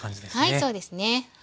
はいそうですね。